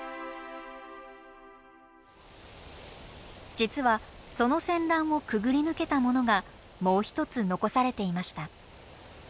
実はその戦乱をくぐり抜けたものがもう一つ残されていました。